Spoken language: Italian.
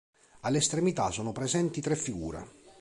Alle estremità sono presenti tre figure.